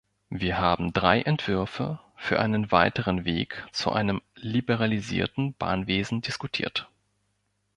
Wir haben drei Entwürfe für einen weiteren Weg zu einem liberalisierten Bahnwesen diskutiert.